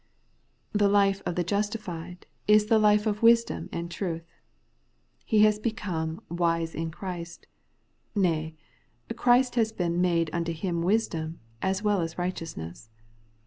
The life of the justified is the life of wisdom and truth. He has become ' wise in Christ ;' nay, ' Christ has been made imto him wisdom ' as well as righteousness.